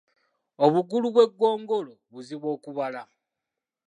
Obugulu bw’eggongolo buzibu okubala.